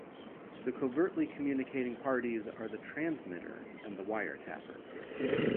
The covertly communicating parties are the transmitter and the wiretapper.